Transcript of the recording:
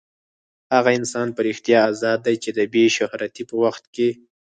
هغه انسان په رښتیا ازاد دی چې د بې شهرتۍ په وخت کې.